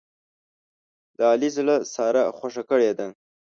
د علي زړه ساره خوښه کړې ده.